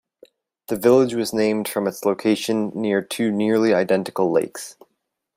The village was named from its location near two nearly identical lakes.